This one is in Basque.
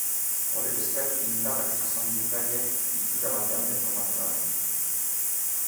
Horri esker, indarrak jasan ditzake itxura batean deformatu gabe.